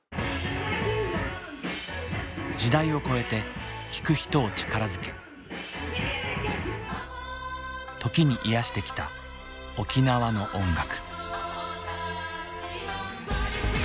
時代を超えて聴く人を力づけ時に癒やしてきた沖縄の音楽。